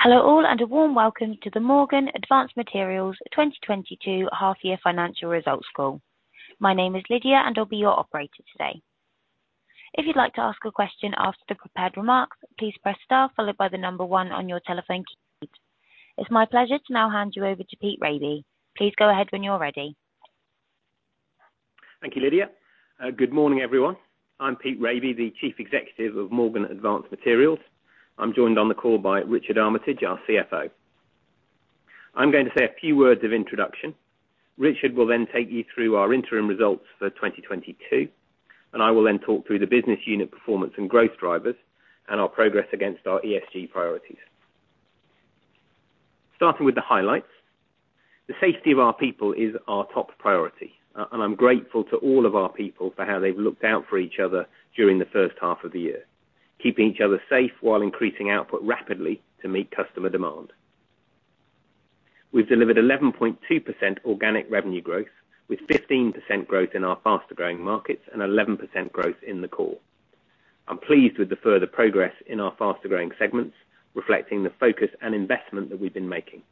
Hello all, and a warm welcome to the Morgan Advanced Materials 2022 half-year financial results call. My name is Lydia, and I'll be your operator today. If you'd like to ask a question after the prepared remarks, please press star followed by the number 1 on your telephone keypad. It's my pleasure to now hand you over to Pete Raby. Please go ahead when you're ready. Thank you, Lydia. Good morning, everyone. I'm Pete Raby, the Chief Executive of Morgan Advanced Materials. I'm joined on the call by Richard Armitage, our CFO. I'm going to say a few words of introduction. Richard will then take you through our interim results for 2022, and I will then talk through the business unit performance and growth drivers and our progress against our ESG priorities. Starting with the highlights. The safety of our people is our top priority, and I'm grateful to all of our people for how they've looked out for each other during the first half of the year, keeping each other safe while increasing output rapidly to meet customer demand. We've delivered 11.2% organic revenue growth with 15% growth in our faster-growing markets and 11% growth in the core. I'm pleased with the further progress in our faster-growing segments, reflecting the focus and investment that we've been making.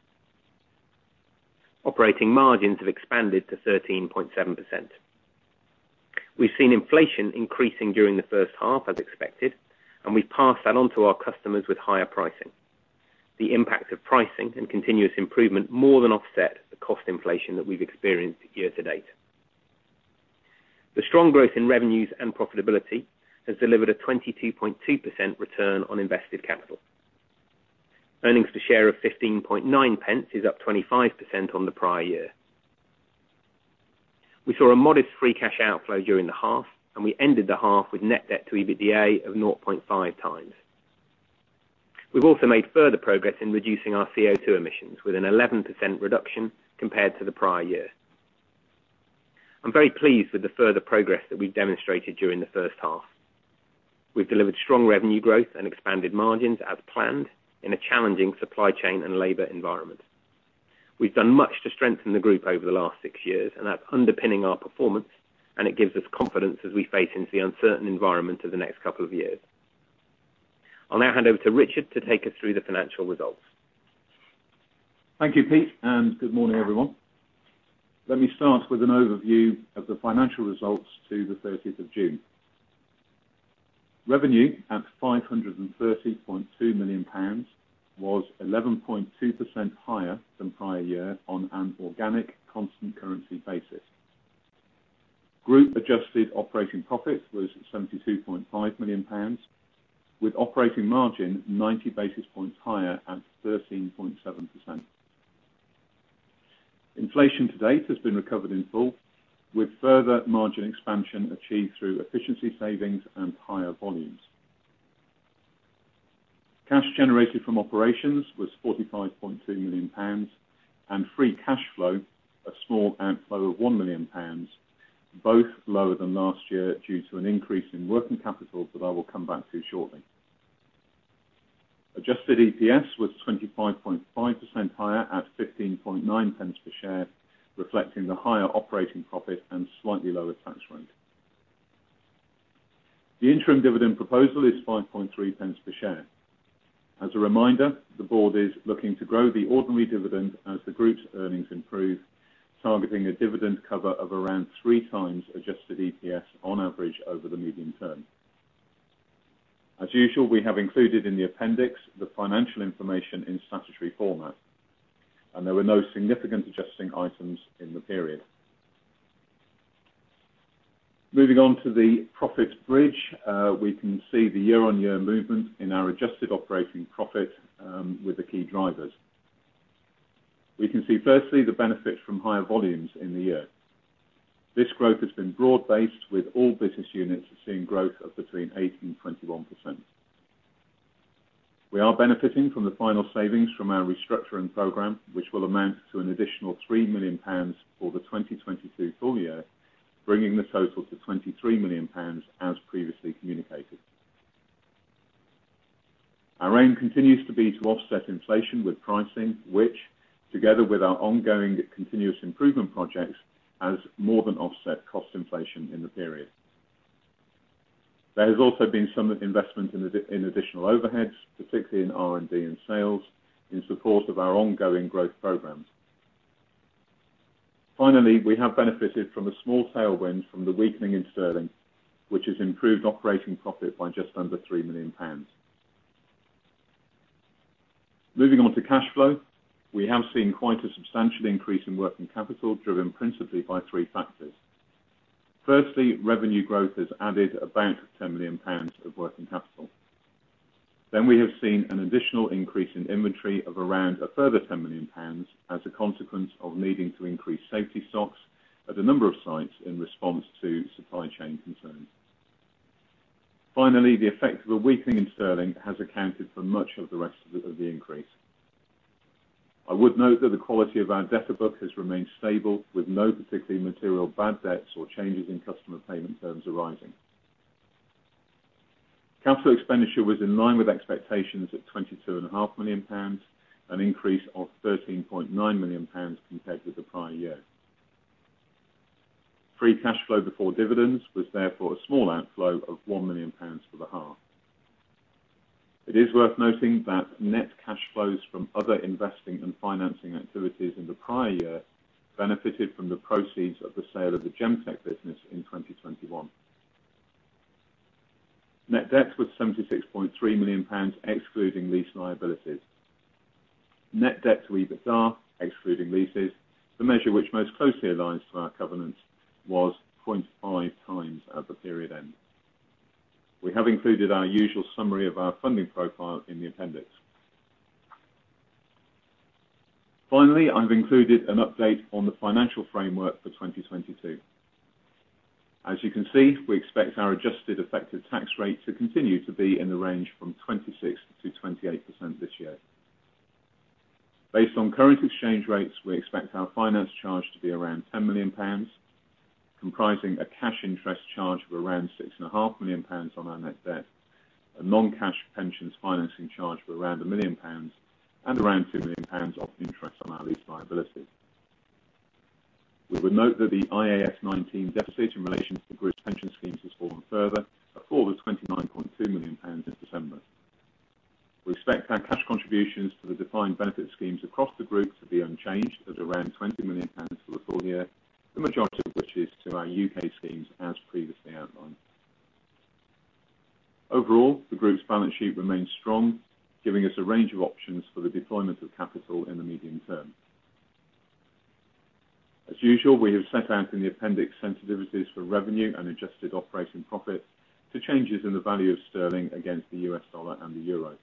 Operating margins have expanded to 13.7%. We've seen inflation increasing during the first half, as expected, and we've passed that on to our customers with higher pricing. The impact of pricing and continuous improvement more than offset the cost inflation that we've experienced year to date. The strong growth in revenues and profitability has delivered a 22.2% return on invested capital. Earnings per share of 15.9 pence is up 25% on the prior year. We saw a modest free cash outflow during the half, and we ended the half with net debt to EBITDA of 0.5x. We've also made further progress in reducing our CO2 emissions with an 11% reduction compared to the prior year. I'm very pleased with the further progress that we've demonstrated during the first half. We've delivered strong revenue growth and expanded margins as planned in a challenging supply chain and labor environment. We've done much to strengthen the group over the last six years, and that's underpinning our performance, and it gives us confidence as we face into the uncertain environment of the next couple of years. I'll now hand over to Richard to take us through the financial results. Thank you, Pete, and good morning, everyone. Let me start with an overview of the financial results to the 30th of June. Revenue at 530.2 million pounds was 11.2% higher than prior year on an organic constant currency basis. Group adjusted operating profit was 72.5 million pounds with operating margin 90 basis points higher at 13.7%. Inflation to date has been recovered in full, with further margin expansion achieved through efficiency savings and higher volumes. Cash generated from operations was 45.2 million pounds and free cash flow a small outflow of 1 million pounds, both lower than last year due to an increase in working capital that I will come back to shortly. Adjusted EPS was 25.5% higher at 15.9 pence per share, reflecting the higher operating profit and slightly lower tax rate. The interim dividend proposal is 5.3 pence per share. As a reminder, the board is looking to grow the ordinary dividend as the group's earnings improve, targeting a dividend cover of around 3 times adjusted EPS on average over the medium term. As usual, we have included in the appendix the financial information in statutory format, and there were no significant adjusting items in the period. Moving on to the profits bridge, we can see the year-on-year movement in our adjusted operating profit, with the key drivers. We can see firstly the benefit from higher volumes in the year. This growth has been broad-based, with all business units seeing growth of between 8% and 21%. We are benefiting from the final savings from our restructuring program, which will amount to an additional 3 million pounds for the 2022 full year, bringing the total to 23 million pounds as previously communicated. Our aim continues to be to offset inflation with pricing, which together with our ongoing continuous improvement projects, has more than offset cost inflation in the period. There has also been some investment in additional overheads, particularly in R&D and sales, in support of our ongoing growth programs. Finally, we have benefited from a small tailwind from the weakening in sterling, which has improved operating profit by just under 3 million pounds. Moving on to cash flow. We have seen quite a substantial increase in working capital, driven principally by three factors. Firstly, revenue growth has added about 10 million pounds of working capital. We have seen an additional increase in inventory of around a further 10 million pounds as a consequence of needing to increase safety stocks at a number of sites in response to supply chain concerns. Finally, the effect of a weakening in sterling has accounted for much of the rest of the increase. I would note that the quality of our debtor book has remained stable, with no particularly material bad debts or changes in customer payment terms arising. Capital expenditure was in line with expectations at 22 and a half million, an increase of 13.9 million pounds compared with the prior year. Free cash flow before dividends was therefore a small outflow of 1 million pounds for the half. It is worth noting that net cash flows from other investing and financing activities in the prior year benefited from the proceeds of the sale of the Gemtek business in 2021. Net debt was GBP 76.3 million, excluding lease liabilities. Net debt to EBITDA, excluding leases, the measure which most closely aligns to our covenants, was 0.5 times at the period end. We have included our usual summary of our funding profile in the appendix. Finally, I've included an update on the financial framework for 2022. As you can see, we expect our adjusted effective tax rate to continue to be in the range from 26%-28% this year. Based on current exchange rates, we expect our finance charge to be around 10 million pounds, comprising a cash interest charge of around 6.5 million pounds on our net debt, a non-cash pensions financing charge of around 1 million pounds, and around 2 million pounds of interest on our lease liabilities. We would note that the IAS 19 deficit in relation to the Group's pension schemes has fallen further to 49.2 million pounds in December. We expect our cash contributions to the defined benefit schemes across the Group to be unchanged at around 20 million pounds for the full year, the majority of which is to our UK schemes as previously outlined. Overall, the Group's balance sheet remains strong, giving us a range of options for the deployment of capital in the medium term. As usual, we have set out in the appendix sensitivities for revenue and adjusted operating profits to changes in the value of sterling against the US dollar and the euro.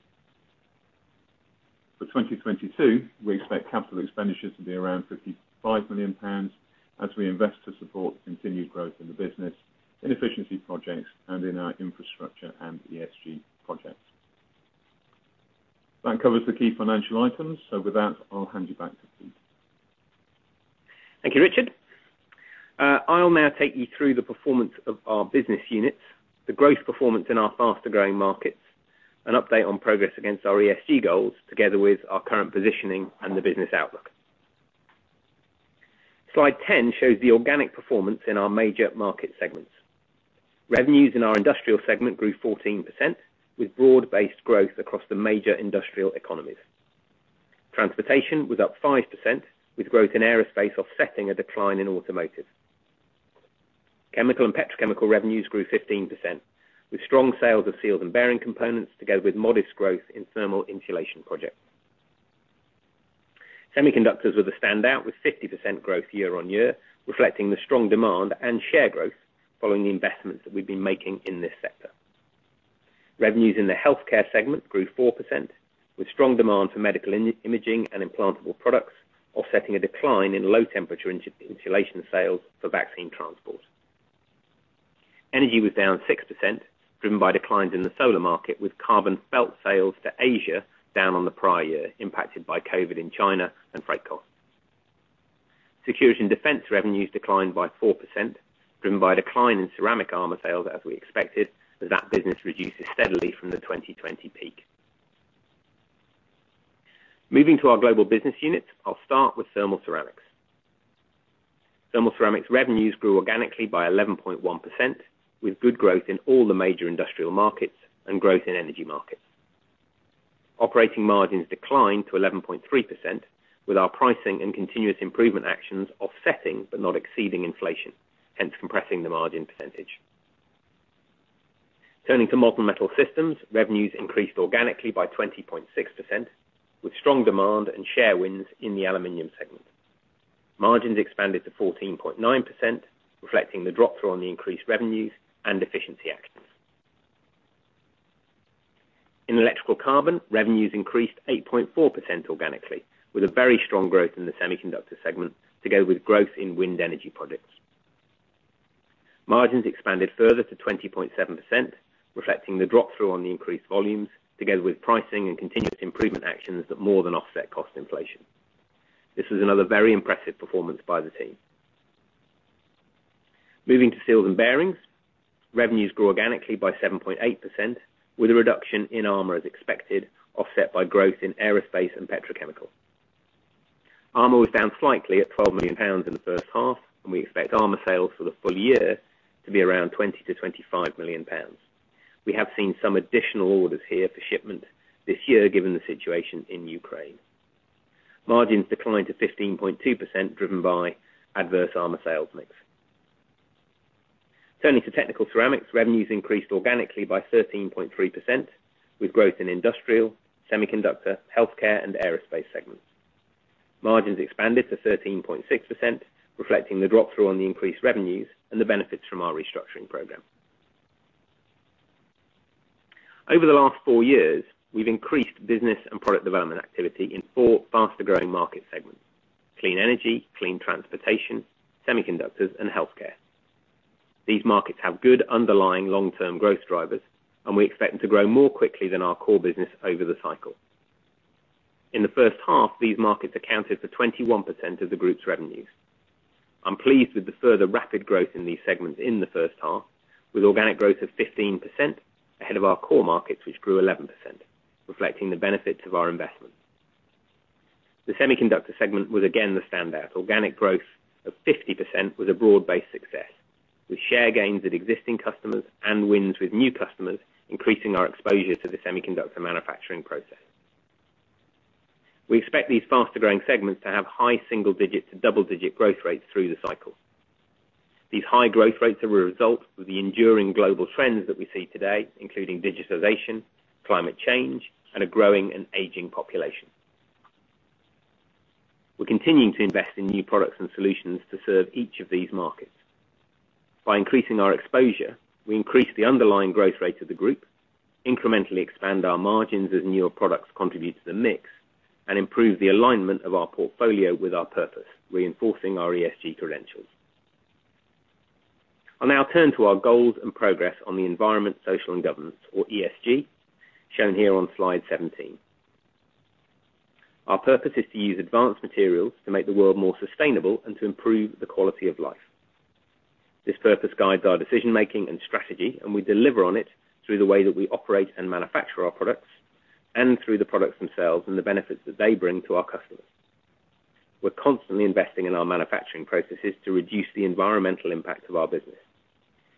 For 2022, we expect capital expenditures to be around 55 million pounds as we invest to support continued growth in the business, in efficiency projects, and in our infrastructure and ESG projects. That covers the key financial items. With that, I'll hand you back to Pete Raby. Thank you, Richard. I'll now take you through the performance of our business units, the growth performance in our faster-growing markets, an update on progress against our ESG goals, together with our current positioning and the business outlook. Slide 10 shows the organic performance in our major market segments. Revenues in our industrial segment grew 14%, with broad-based growth across the major industrial economies. Transportation was up 5%, with growth in aerospace offsetting a decline in automotive. Chemical and petrochemical revenues grew 15%, with strong sales of seals and bearing components, together with modest growth in thermal insulation projects. Semiconductors were the standout with 50% growth year on year, reflecting the strong demand and share growth following the investments that we've been making in this sector. Revenues in the healthcare segment grew 4%, with strong demand for medical imaging and implantable products, offsetting a decline in low-temperature insulation sales for vaccine transport. Energy was down 6%, driven by declines in the solar market, with carbon felt sales to Asia down on the prior year, impacted by COVID in China and freight costs. Security and defense revenues declined by 4%, driven by a decline in ceramic armor sales, as we expected, as that business reduces steadily from the 2020 peak. Moving to our global business units, I'll start with Thermal Ceramics. Thermal Ceramics revenues grew organically by 11.1%, with good growth in all the major industrial markets and growth in energy markets. Operating margins declined to 11.3%, with our pricing and continuous improvement actions offsetting but not exceeding inflation, hence compressing the margin percentage. Turning to Molten Metal Systems, revenues increased organically by 20.6%, with strong demand and share wins in the aluminum segment. Margins expanded to 14.9%, reflecting the drop through on the increased revenues and efficiency actions. In Electrical Carbon, revenues increased 8.4% organically, with a very strong growth in the semiconductor segment to go with growth in wind energy projects. Margins expanded further to 20.7%, reflecting the drop through on the increased volumes together with pricing and continuous improvement actions that more than offset cost inflation. This was another very impressive performance by the team. Moving to Seals and Bearings, revenues grew organically by 7.8% with a reduction in armor as expected, offset by growth in aerospace and petrochemical. Armor was down slightly at 12 million pounds in the first half, and we expect armor sales for the full year to be around 20 million-25 million pounds. We have seen some additional orders here for shipment this year, given the situation in Ukraine. Margins declined to 15.2%, driven by adverse armor sales mix. Turning to Technical Ceramics, revenues increased organically by 13.3%, with growth in industrial, semiconductor, healthcare, and aerospace segments. Margins expanded to 13.6%, reflecting the drop through on the increased revenues and the benefits from our restructuring program. Over the last four years, we've increased business and product development activity in four faster-growing market segments: clean energy, clean transportation, semiconductors, and healthcare. These markets have good underlying long-term growth drivers, and we expect them to grow more quickly than our core business over the cycle. In the first half, these markets accounted for 21% of the Group's revenues. I'm pleased with the further rapid growth in these segments in the first half, with organic growth of 15% ahead of our core markets, which grew 11%, reflecting the benefits of our investment. The Semiconductor segment was again the standout. Organic growth of 50% was a broad-based success, with share gains at existing customers and wins with new customers, increasing our exposure to the semiconductor manufacturing process. We expect these faster-growing segments to have high single digits to double-digit growth rates through the cycle. These high growth rates are a result of the enduring global trends that we see today, including digitization, climate change, and a growing and aging population. We're continuing to invest in new products and solutions to serve each of these markets. By increasing our exposure, we increase the underlying growth rate of the group, incrementally expand our margins as newer products contribute to the mix, and improve the alignment of our portfolio with our purpose, reinforcing our ESG credentials. I'll now turn to our goals and progress on the environmental, social, and governance or ESG, shown here on slide seventeen. Our purpose is to use advanced materials to make the world more sustainable and to improve the quality of life. This purpose guides our decision-making and strategy, and we deliver on it through the way that we operate and manufacture our products, and through the products themselves and the benefits that they bring to our customers. We're constantly investing in our manufacturing processes to reduce the environmental impact of our business.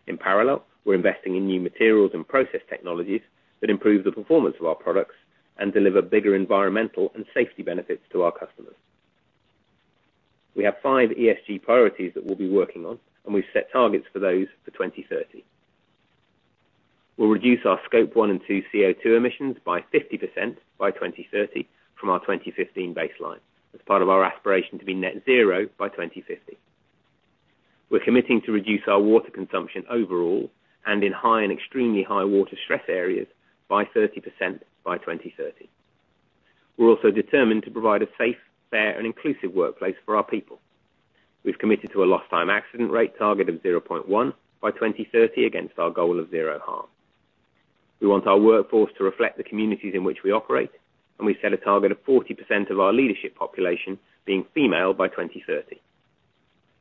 In parallel, we're investing in new materials and process technologies that improve the performance of our products and deliver bigger environmental and safety benefits to our customers. We have five ESG priorities that we'll be working on, and we've set targets for those for 2030. We'll reduce our Scope 1 and 2 CO2 emissions by 50% by 2030 from our 2015 baseline as part of our aspiration to be net zero by 2050. We're committing to reduce our water consumption overall and in high and extremely high water stress areas by 30% by 2030. We're also determined to provide a safe, fair, and inclusive workplace for our people. We've committed to a lost time accident rate target of 0.1 by 2030 against our goal of zero harm. We want our workforce to reflect the communities in which we operate, and we set a target of 40% of our leadership population being female by 2030.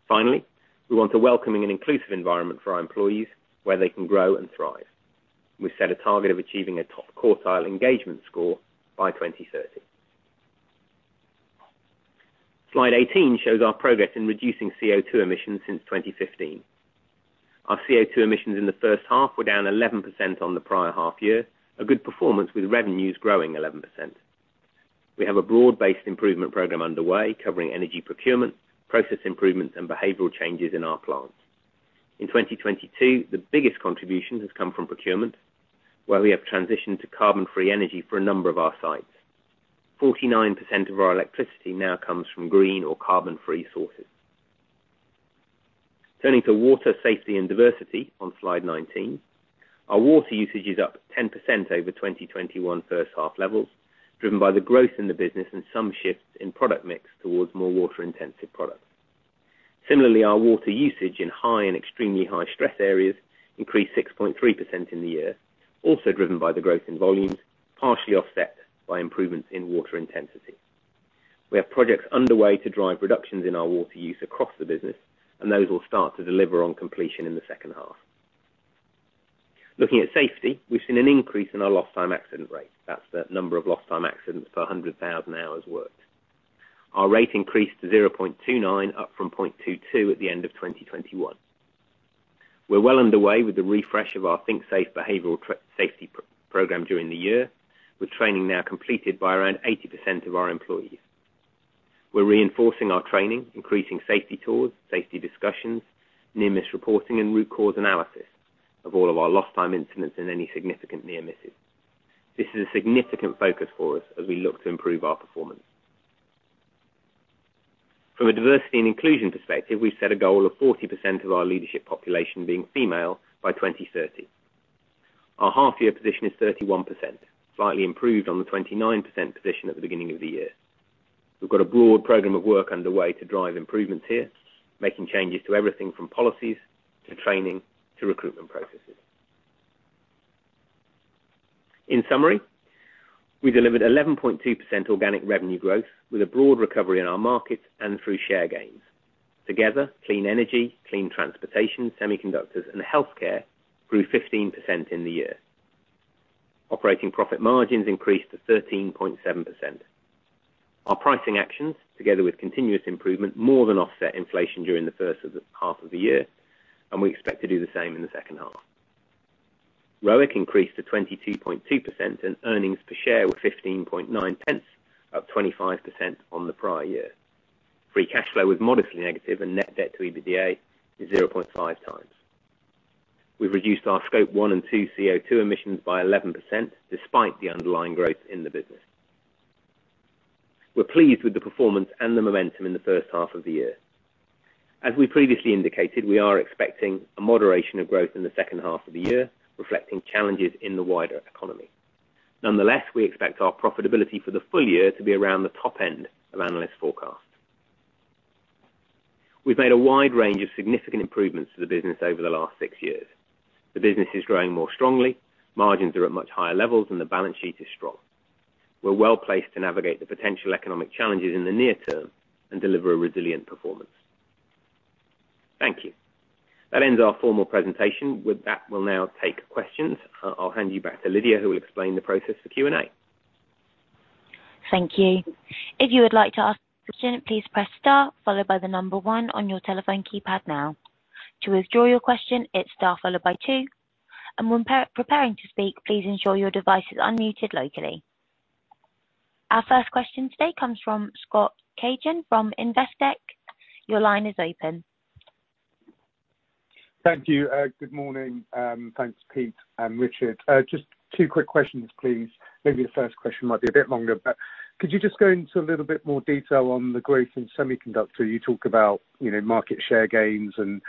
Finally, we want a welcoming and inclusive environment for our employees where they can grow and thrive. We set a target of achieving a top quartile engagement score by 2030. Slide 18 shows our progress in reducing CO2 emissions since 2015. Our CO2 emissions in the first half were down 11% on the prior half year. A good performance with revenues growing 11%. We have a broad-based improvement program underway covering energy procurement, process improvements, and behavioral changes in our plants. In 2022, the biggest contribution has come from procurement, where we have transitioned to carbon-free energy for a number of our sites. 49% of our electricity now comes from green or carbon-free sources. Turning to water, safety, and diversity on slide 19. Our water usage is up 10% over 2021 first half levels, driven by the growth in the business and some shifts in product mix towards more water-intensive products. Similarly, our water usage in high and extremely high stress areas increased 6.3% in the year, also driven by the growth in volumes, partially offset by improvements in water intensity. We have projects underway to drive reductions in our water use across the business, and those will start to deliver on completion in the second half. Looking at safety, we've seen an increase in our lost time accident rate. That's the number of lost time accidents per 100,000 hours worked. Our rate increased to 0.29, up from 0.22 at the end of 2021. We're well underway with the refresh of our think SAFE behavioral safety program during the year, with training now completed by around 80% of our employees. We're reinforcing our training, increasing safety tours, safety discussions, near-miss reporting, and root cause analysis of all of our lost time incidents and any significant near misses. This is a significant focus for us as we look to improve our performance. From a diversity and inclusion perspective, we've set a goal of 40% of our leadership population being female by 2030. Our half year position is 31%, slightly improved on the 29% position at the beginning of the year. We've got a broad program of work underway to drive improvements here, making changes to everything from policies to training to recruitment processes. In summary, we delivered 11.2% organic revenue growth with a broad recovery in our markets and through share gains. Together, clean energy, clean transportation, semiconductors, and healthcare grew 15% in the year. Operating profit margins increased to 13.7%. Our pricing actions, together with continuous improvement, more than offset inflation during the first half of the year, and we expect to do the same in the second half. ROIC increased to 22.2% and earnings per share were 15.9 pence, up 25% on the prior year. Free cash flow was modestly negative and net debt to EBITDA is 0.5 times. We've reduced our Scope 1 and 2 CO2 emissions by 11% despite the underlying growth in the business. We're pleased with the performance and the momentum in the first half of the year. As we previously indicated, we are expecting a moderation of growth in the second half of the year, reflecting challenges in the wider economy. Nonetheless, we expect our profitability for the full year to be around the top end of analysts' forecasts. We've made a wide range of significant improvements to the business over the last six years. The business is growing more strongly, margins are at much higher levels, and the balance sheet is strong. We're well placed to navigate the potential economic challenges in the near term and deliver a resilient performance. Thank you. That ends our formal presentation. With that, we'll now take questions. I'll hand you back to Lydia, who will explain the process for Q&A. Thank you. If you would like to ask a question, please press star followed by the number one on your telephone keypad now. To withdraw your question, hit star followed by two, and when preparing to speak, please ensure your device is unmuted locally. Our first question today comes from Scott Cagehin from Investec. Your line is open. Thank you. Good morning. Thanks, Pete and Richard. Just two quick questions, please. Maybe the first question might be a bit longer, but could you just go into a little bit more detail on the growth in semiconductor? You talk about, you know, market share gains and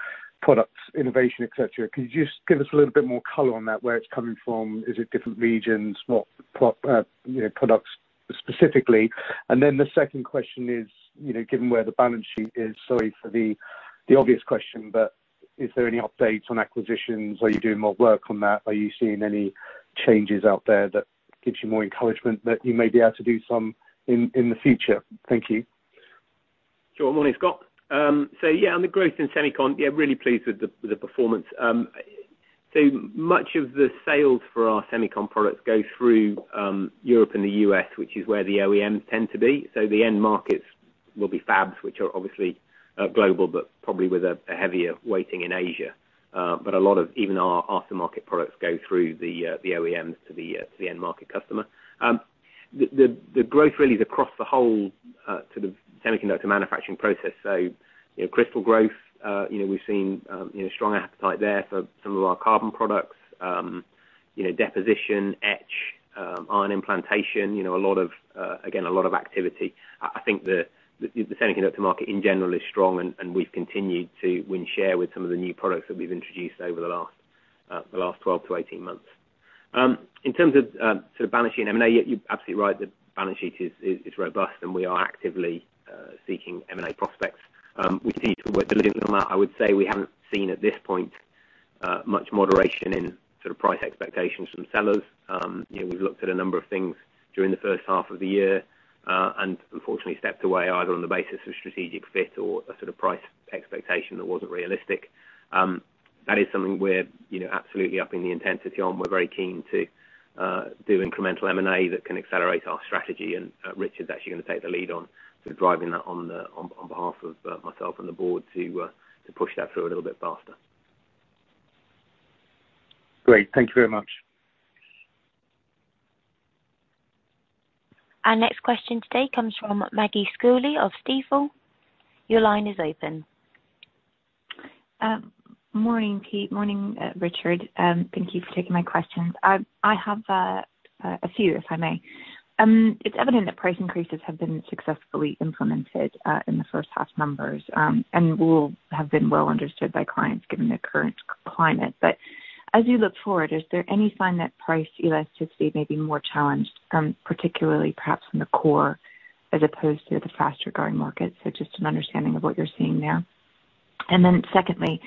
Yeah, on the growth in semicon, really pleased with the performance. Much of the sales for our semicon products go through Europe and the U.S., which is where the OEMs tend to be. The end markets will be fabs, which are obviously global, but probably with a heavier weighting in Asia. A lot of even our aftermarket products go through the OEMs to the end market customer. The growth really is across the whole sort of semiconductor manufacturing process. You know, crystal growth, you know, we've seen you know, strong appetite there for some of our carbon products. You know, deposition, etch, ion implantation, you know, a lot of activity again. I think the semiconductor market in general is strong and we've continued to win share with some of the new products that we've introduced over the last 12-18 months. In terms of sort of balance sheet and M&A, you're absolutely right. The balance sheet is robust, and we are actively seeking M&A prospects. We see Mm-hmm. I would say we haven't seen at this point much moderation in sort of price expectations from sellers. You know, we've looked at a number of things during the first half of the year and unfortunately stepped away either on the basis of strategic fit or a sort of price expectation that wasn't realistic. That is something we're, you know, absolutely upping the intensity on. We're very keen to do incremental M&A that can accelerate our strategy. Richard's actually gonna take the lead on driving that on behalf of myself and the board to push that through a little bit faster. Great. Thank you very much. Our next question today comes from Maggie Schooley of Stifel. Your line is open. Morning, Pete. Morning, Richard. Thank you for taking my questions. I have a few, if I may. It's evident that price increases have been successfully implemented in the first half numbers and will have been well understood by clients given the current climate. As you look forward, is there any sign that price elasticity may be more challenged from particularly perhaps from the core as opposed to the faster-growing markets? So just an understanding of what you're seeing there. Then secondly,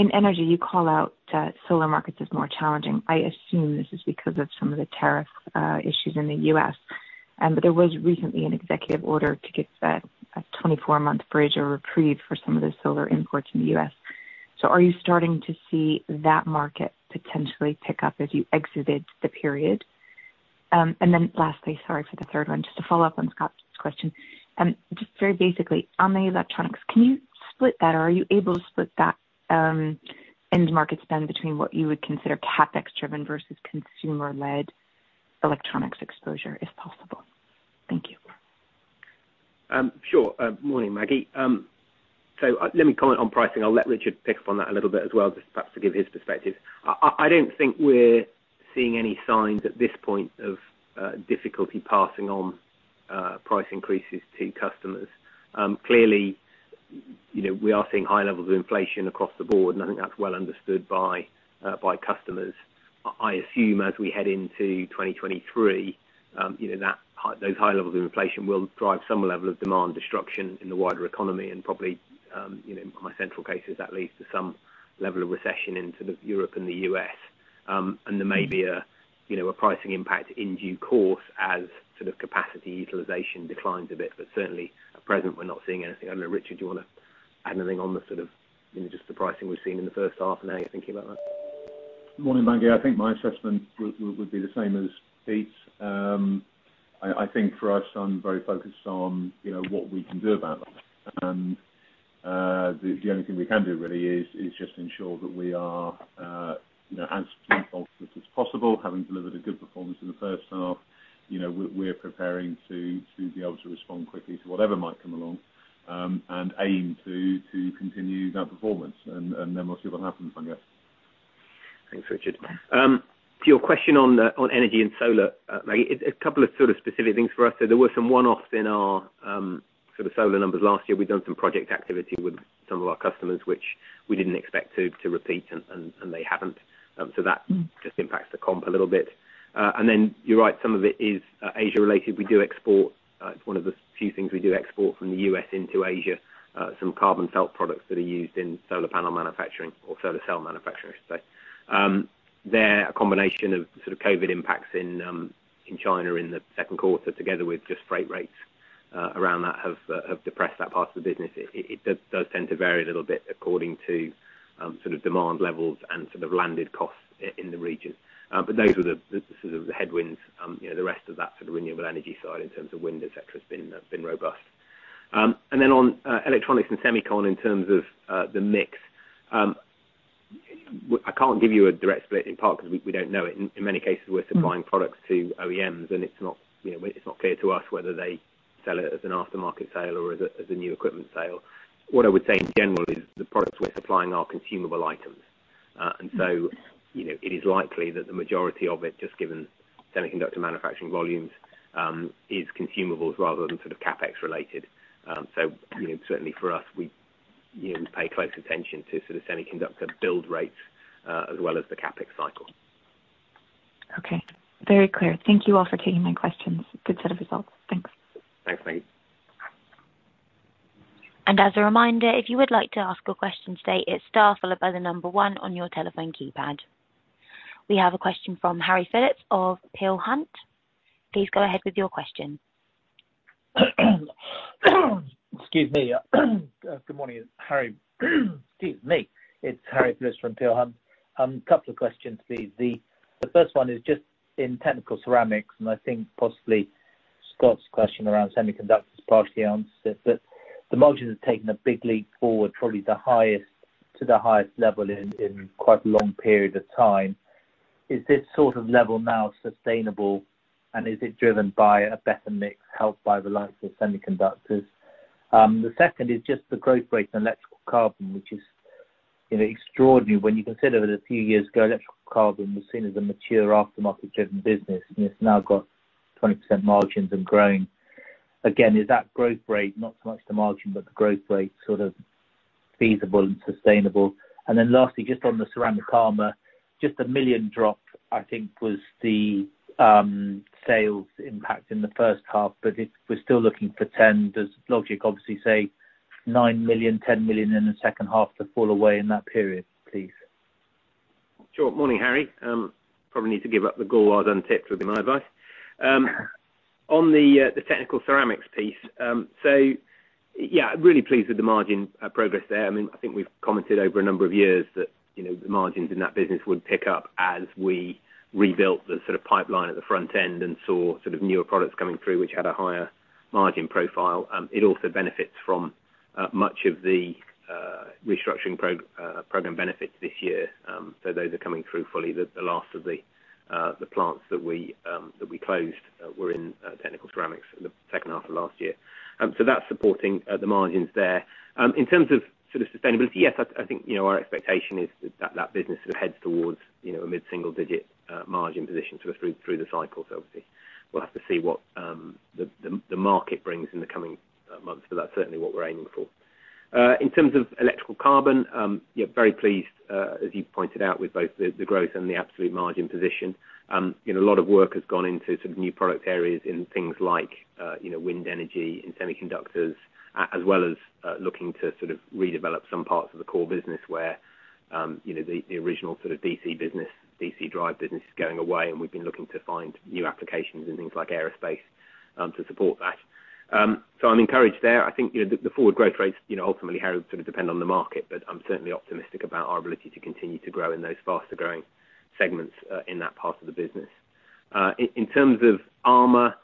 in energy, you call out that solar markets is more challenging. I assume this is because of some of the tariff issues in the U.S. There was recently an executive order to give a 24-month bridge or reprieve for some of the solar imports in the U.S. Are you starting to see that market potentially pick up as you exited the period? Lastly, sorry for the third one, just to follow up on Scott's question. Just very basically, on the electronics, can you split that or are you able to split that, end market spend between what you would consider CapEx driven versus consumer-led electronics exposure, if possible? Thank you. Morning, Maggie. Let me comment on pricing. I'll let Richard pick up on that a little bit as well, just perhaps to give his perspective. I don't think we're seeing any signs at this point of difficulty passing on price increases to customers. Clearly, you know, we are seeing high levels of inflation across the board, and I think that's well understood by customers. I assume as we head into 2023, you know, those high levels of inflation will drive some level of demand destruction in the wider economy and probably, you know, in my central cases, that leads to some level of recession into the Europe and the U.S. There may be a you know, a pricing impact in due course as sort of capacity utilization declines a bit. Certainly at present, we're not seeing anything. I don't know, Richard, do you wanna add anything on the sort of, you know, just the pricing we've seen in the first half and how you're thinking about that? Morning, Maggie. I think my assessment would be the same as Pete's. I think for us, I'm very focused on, you know, what we can do about that. The only thing we can do really is just ensure that we are, you know, as involved with this as possible. Having delivered a good performance in the first half, you know, we're preparing to be able to respond quickly to whatever might come along, and aim to continue that performance and then we'll see what happens, I guess. Thanks, Richard. To your question on energy and solar, Maggie, a couple of sort of specific things for us. There were some one-offs in our sort of solar numbers last year. We've done some project activity with some of our customers which we didn't expect to repeat and they haven't. Mm. It just impacts the comp a little bit. You're right, some of it is Asia related. We do export. It's one of the few things we do export from the U.S. into Asia, some carbon felt products that are used in solar panel manufacturing or solar cell manufacturing, I should say. They're a combination of sort of COVID impacts in China in the second quarter together with just freight rates around that have depressed that part of the business. It does tend to vary a little bit according to sort of demand levels and sort of landed costs in the region. Those were the sort of headwinds. You know, the rest of that sort of renewable energy side in terms of wind, et cetera, has been robust. On electronics and semicon in terms of the mix. I can't give you a direct split, in part because we don't know it. In many cases we're supplying products to OEMs, and it's not, you know, clear to us whether they sell it as an aftermarket sale or as a new equipment sale. What I would say in general is the products we're supplying are consumable items. You know, it is likely that the majority of it, just given semiconductor manufacturing volumes, is consumables rather than sort of CapEx related. You know, certainly for us, we pay close attention to sort of semiconductor build rates, as well as the CapEx cycle. Okay. Very clear. Thank you all for taking my questions. Good set of results. Thanks. Thanks, mate. As a reminder, if you would like to ask a question today, it's star followed by the number one on your telephone keypad. We have a question from Harry Phillips of Peel Hunt. Please go ahead with your question. Good morning, it's Harry Philips from Peel Hunt. Couple of questions, please. The first one is just in Technical Ceramics, and I think possibly Scott's question around semiconductors partly answered it. The margins have taken a big leap forward, probably the highest to the highest level in quite a long period of time. Is this sort of level now sustainable, and is it driven by a better mix helped by the likes of semiconductors? The second is just the growth rate in Electrical Carbon, which is, you know, extraordinary when you consider that a few years ago Electrical Carbon was seen as a mature aftermarket driven business, and it's now got 20% margins and growing. Is that growth rate, not so much the margin, but the growth rate sort of feasible and sustainable? Lastly, just on the ceramic armor, just a 1 million drop, I think was the sales impact in the first half, but we're still looking for 10. Does logic obviously say 9 million, 10 million in the second half to fall away in that period, please? Sure. Morning, Harry Philips. Probably need to give the caveat upfront with my advice. On the Technical Ceramics piece. Really pleased with the margin progress there. I mean, I think we've commented over a number of years that, you know, the margins in that business would pick up as we rebuilt the sort of pipeline at the front end and saw sort of newer products coming through, which had a higher margin profile. It also benefits from much of the restructuring program benefits this year. Those are coming through fully. The last of the plants that we closed were in Technical Ceramics in the second half of last year. That's supporting the margins there. In terms of sort of sustainability, yes, I think, you know, our expectation is that that business sort of heads towards, you know, a mid-single digit margin position sort of through the cycle. Obviously we'll have to see what the market brings in the coming months, but that's certainly what we're aiming for. In terms of Electrical Carbon, yeah, very pleased as you pointed out, with both the growth and the absolute margin position. You know, a lot of work has gone into sort of new product areas in things like, you know, wind energy and semiconductors, as well as looking to sort of redevelop some parts of the core business where, you know, the original sort of DC business, DC drive business is going away and we've been looking to find new applications in things like aerospace, to support that. I'm encouraged there. I think, you know, the forward growth rates, you know, ultimately how they depend on the market, but I'm certainly optimistic about our ability to continue to grow in those faster growing segments, in that part of the business. In terms of armor,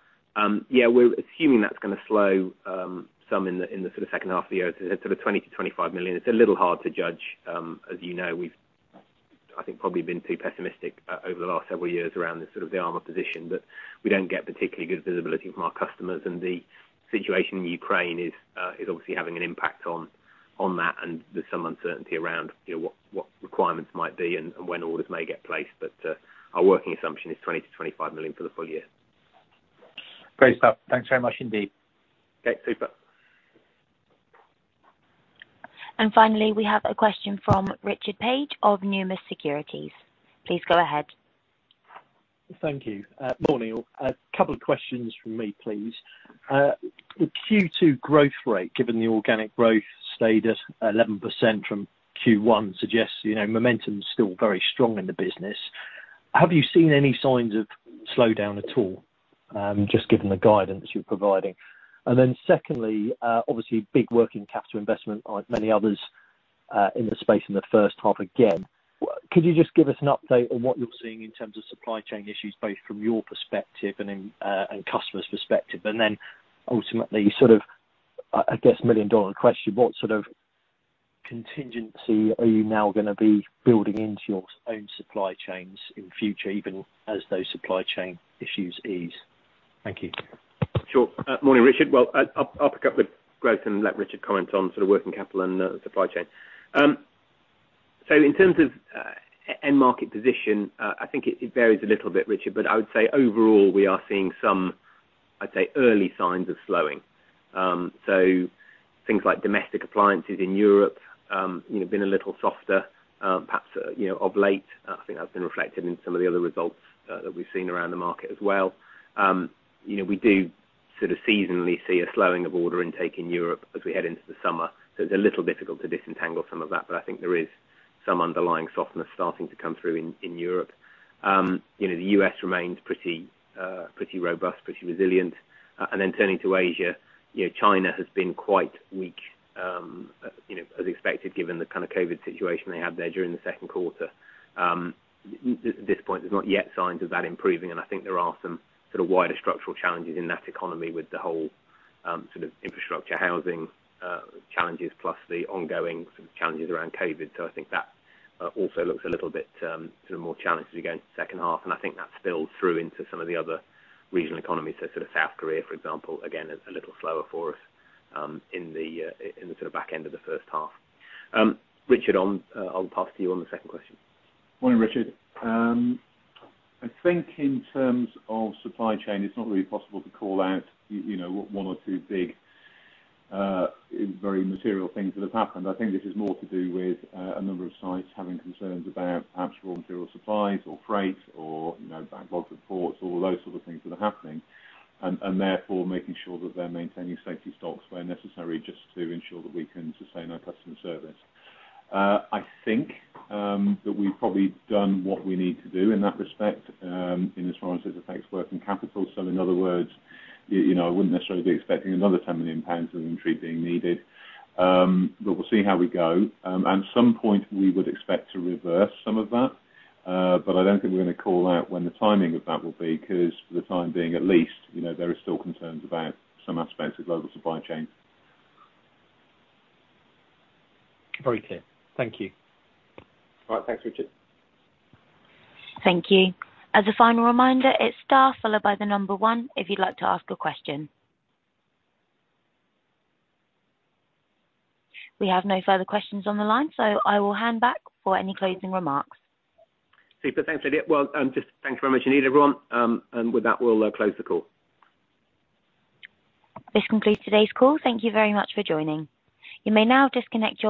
yeah, we're assuming that's gonna slow some in the sort of second half of the year to the sort of 20-25 million. It's a little hard to judge. As you know, we've, I think, probably been too pessimistic over the last several years around the sort of armor position, but we don't get particularly good visibility from our customers. The situation in Ukraine is obviously having an impact on that, and there's some uncertainty around, you know, what requirements might be and when orders may get placed. Our working assumption is 20-25 million for the full year. Great stuff. Thanks very much indeed. Okay, super. Finally, we have a question from Richard Page of Numis Securities. Please go ahead. Thank you. Morning all. A couple of questions from me, please. The Q2 growth rate, given the organic growth stayed at 11% from Q1, suggests, you know, momentum's still very strong in the business. Have you seen any signs of slowdown at all, just given the guidance you're providing? And then secondly, obviously big working capital investment like many others in the space in the first half again. Could you just give us an update on what you're seeing in terms of supply chain issues, both from your perspective and in and customers' perspective? And then ultimately, sort of, I guess, million-dollar question, what sort of contingency are you now gonna be building into your own supply chains in future, even as those supply chain issues ease? Thank you. Sure. Morning, Richard. Well, I'll pick up with growth and let Richard comment on sort of working capital and the supply chain. So in terms of end market position, I think it varies a little bit, Richard, but I would say overall, we are seeing some, I'd say, early signs of slowing. So things like domestic appliances in Europe, you know, been a little softer, perhaps, you know, of late. I think that's been reflected in some of the other results that we've seen around the market as well. You know, we do sort of seasonally see a slowing of order intake in Europe as we head into the summer, so it's a little difficult to disentangle some of that. I think there is some underlying softness starting to come through in Europe. You know, the US remains pretty resilient. Then turning to Asia, you know, China has been quite weak, you know, as expected, given the kind of COVID situation they had there during the second quarter. At this point, there's not yet signs of that improving, and I think there are some sort of wider structural challenges in that economy with the whole, sort of infrastructure, housing, challenges, plus the ongoing sort of challenges around COVID. I think that also looks a little bit, sort of more challenged as we go into the second half, and I think that spilled through into some of the other regional economies. Sort of South Korea, for example, again, a little slower for us, in the sort of back end of the first half. Richard, I'll pass to you on the second question. Morning, Richard. I think in terms of supply chain, it's not really possible to call out, you know, one or two big, very material things that have happened. I think this is more to do with a number of sites having concerns about perhaps raw material supplies or freight or, you know, backlog reports, all those sort of things that are happening, and therefore making sure that they're maintaining safety stocks where necessary, just to ensure that we can sustain our customer service. I think that we've probably done what we need to do in that respect, in as far as it affects working capital. In other words, you know, I wouldn't necessarily be expecting another 10 million pounds of inventory being needed. But we'll see how we go. At some point we would expect to reverse some of that, but I don't think we're gonna call out when the timing of that will be, 'cause for the time being, at least, you know, there are still concerns about some aspects of global supply chain. Very clear. Thank you. All right. Thanks, Richard. Thank you. As a final reminder, it's star followed by the number one if you'd like to ask a question. We have no further questions on the line, so I will hand back for any closing remarks. Super. Thanks, Lydia. Well, just thank you very much indeed, everyone. With that, we'll close the call. This concludes today's call. Thank you very much for joining. You may now disconnect your lines.